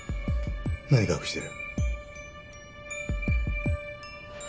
何隠してる？